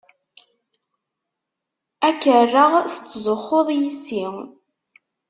Ad k-rreɣ tettzuxxuḍ yess-i.